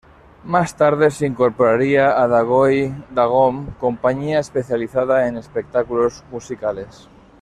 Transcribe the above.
Más tarde se incorporaría a Dagoll-Dagom, compañía especializada en espectáculos musicales.